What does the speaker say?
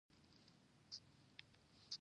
د کوډ بیا کارونه وخت او منابع خوندي کوي.